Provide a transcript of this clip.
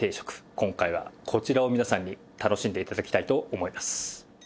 今回はこちらを皆さんに楽しんで頂きたいと思います。